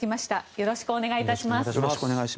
よろしくお願いします。